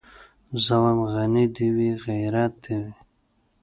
زه وايم غني دي وي غيرت دي وي